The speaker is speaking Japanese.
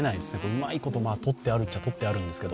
うまいこと撮ってあるっちゃ、撮ってあるんですが。